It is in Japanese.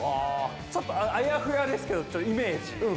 ちょっとあやふやですけどイメージで。